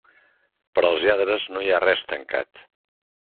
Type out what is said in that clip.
Per als lladres no hi ha res tancat.